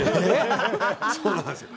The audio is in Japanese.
そうなんですよ。